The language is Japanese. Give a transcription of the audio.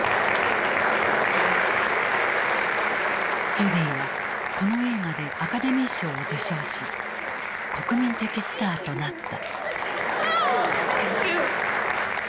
ジュディはこの映画でアカデミー賞を受賞し国民的スターとなった。